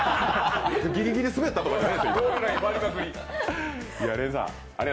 ギリギリスベったとかじゃないですよ。